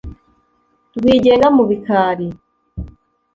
Rwigenga mu bikari